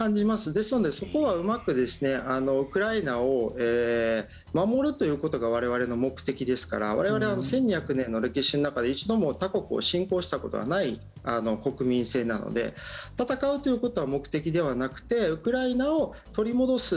ですので、そこはうまくウクライナを守るということが我々の目的ですから我々、１２００年の歴史の中で一度も他国を侵攻したことはない国民性なので戦うということは目的ではなくてウクライナを取り戻す。